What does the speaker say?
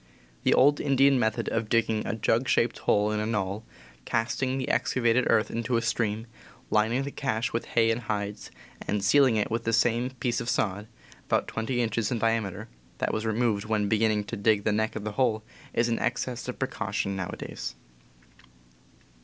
The old Indian method of digging a jug shaped hole in a knoll, casting the excavated earth into a stream, lining the cache with hay and hides, and sealing it with the same piece of sod (about twenty inches in diameter) that was re moved when beginning to dig the neck of the hole is an excess of precaution nowadays.